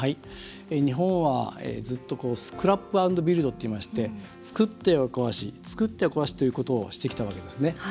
日本はずっとスクラップ＆ビルドといいまして作っては壊し、作っては壊しということをしてきたわけですね。